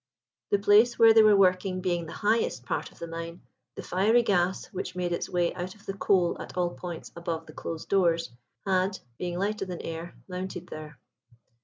The place where they were working being the highest part of the mine, the fiery gas, which made its way out of the coal at all points above the closed doors, had, being lighter than air, mounted there.